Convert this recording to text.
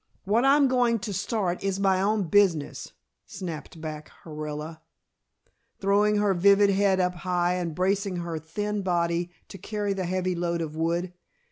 "What I'm going to start is my own business," snapped back Orilla, throwing her vivid head up high and bracing her thin body to carry the heavy load of wood.